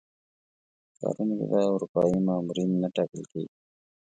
په ښارونو کې به اروپایي مامورین نه ټاکل کېږي.